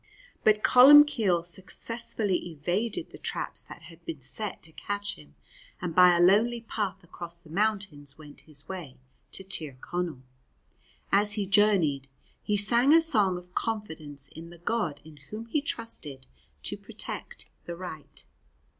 But Columbcille successfully evaded the traps that had been set to catch him, and by a lonely path across the mountains went his way to Tir Connell. As he journeyed he sang a song of confidence in the God in whom he trusted to protect the right.